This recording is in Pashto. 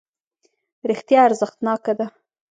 رښتیا ارزښتناکه ده.